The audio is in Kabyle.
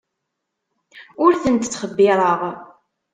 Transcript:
Ur tent-ttxebbireɣ.